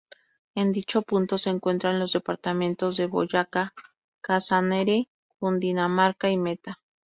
En dicho punto se encuentran los departamentos de Boyacá, Casanare, Cundinamarca y Meta.